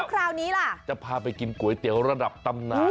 คราวนี้ล่ะจะพาไปกินก๋วยเตี๋ยวระดับตำนาน